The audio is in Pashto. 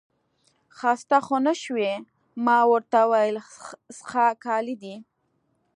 خسته خو نه شوې؟ ما ورته وویل څښاک عالي دی.